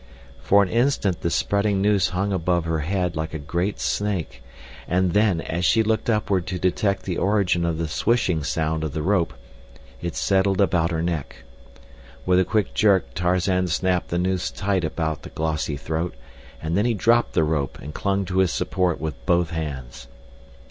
For an instant the spreading noose hung above her head like a great snake, and then, as she looked upward to detect the origin of the swishing sound of the rope, it settled about her neck. With a quick jerk Tarzan snapped the noose tight about the glossy throat, and then he dropped the rope and clung to his support with both hands.